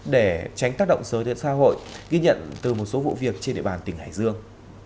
để tránh tác động xấu đến xã hội ghi nhận từ một số vụ việc trên địa bàn tỉnh hải dương